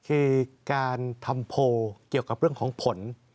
คือการทำโพลเกี่ยวกับเรื่องของผล